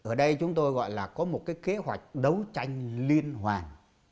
ở đây chúng tôi gọi là có một cái kế hoạch đấu tranh liên hoàn